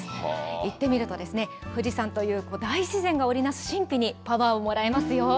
行ってみるとですね、富士山という大自然が織り成す神秘にパワーをもらえますよ。